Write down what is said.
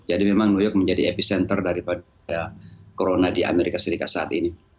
jadi memang new york menjadi epicenter daripada corona di amerika serikat saat ini